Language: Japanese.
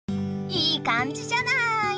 いい感じじゃない！